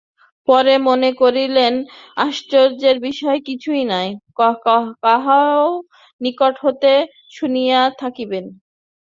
পরে মনে করিলেন, আশ্চর্যের বিষয় কিছুই নাই, কাহারও নিকট হইতে শুনিয়া থাকিবেন।